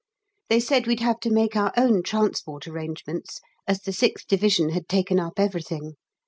They said we'd have to make our own transport arrangements, as the 6th Division had taken up everything.